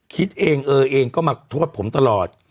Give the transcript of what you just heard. คิดเองเออเองก็มาโทษผมตลอด